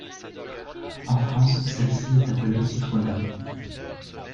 En France celle-ci est appelée citronnade.